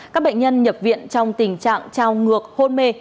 các bệnh nhân nhập viện trong tình trạng trao ngược hôn mê